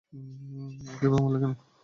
ওকে এভাবে মারলে কেন?